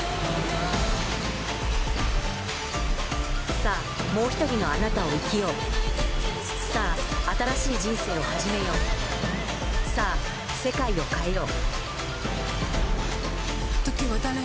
さぁ、もう１人のあなたを生きよう、さぁ、新しい人生を始めよう、さぁ、世界を変えよう。